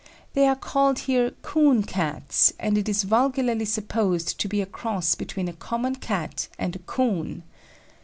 They are called here 'Coon' Cats, and it is vulgarly supposed to be a cross between a common Cat and a 'Coon.'